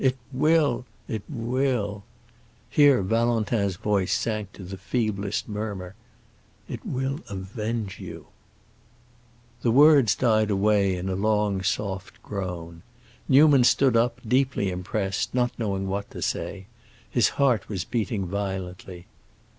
It will—it will"—here Valentin's voice sank to the feeblest murmur—"it will avenge you!" The words died away in a long, soft groan. Newman stood up, deeply impressed, not knowing what to say; his heart was beating violently.